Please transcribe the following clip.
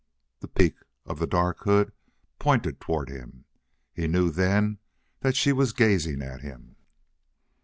The peak of the dark hood pointed toward him. He knew then that she was gazing at him.